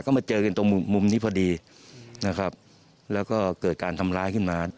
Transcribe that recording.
ก็มาเจอกันตรงมุมนี้พอดีนะครับแล้วก็เกิดการทำร้ายขึ้นมา